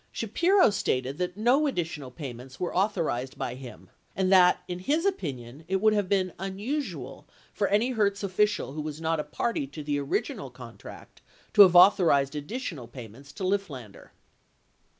Shapiro stated that no additional payments were authorized by him and that, in his opinion, it would have been unusual for any Hertz official who was not a party to the original contract to have authorized additional payments to Lifflander.